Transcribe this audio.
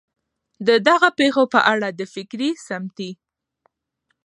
د دغه پېښو په اړه د فکري ، سمتي